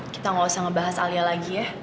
kita gak usah ngebahas alia lagi ya